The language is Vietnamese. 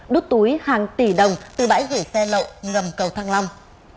đút túi hàng tỷ đồng từ bãi gửi xe lộ gầm cầu thăng long